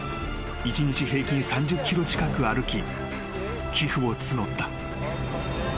［１日平均３０ｋｍ近く歩き寄付を募った］